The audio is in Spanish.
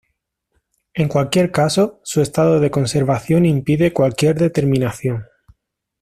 En cualquier caso, su estado de conservación impide cualquier determinación.